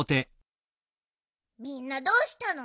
みんなどうしたの？